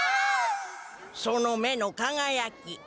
その目のかがやき